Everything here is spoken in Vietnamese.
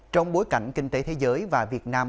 trong bối cảnh kinh tế thế giới và việt nam